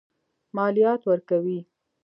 مالیات ورکوي.